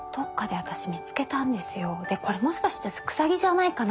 でこれもしかしてくさぎじゃないかな